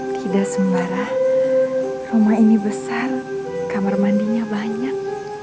tidak sembarang rumah ini besar kamar mandinya banyak